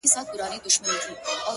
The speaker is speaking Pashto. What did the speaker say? قدم کرار اخله زړه هم لکه ښيښه ماتېږي”